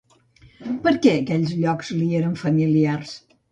Per què aquells llocs li eren familiars?